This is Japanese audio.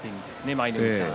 舞の海さん